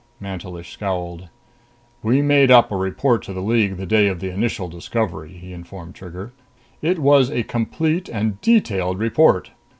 Mantelish scowled. "We made up a report to the League the day of the initial discovery," he informed Trigger. "It was a complete and detailed report!"